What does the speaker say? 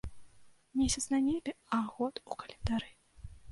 Месяц на небе, а год у календары.